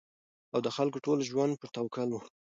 او د خلکو ټول ژوندون په توکل وو